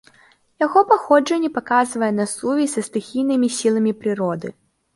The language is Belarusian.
Яго паходжанне паказвае на сувязь са стыхійнымі сіламі прыроды.